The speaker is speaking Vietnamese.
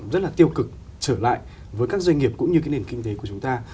rất là tiêu cực trở lại với các doanh nghiệp cũng như cái nền kinh tế của chúng ta